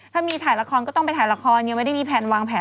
ถ้ามีถ่ายละครก็ต้องไปถ่ายละครยังไม่ได้มีแผนวางแผน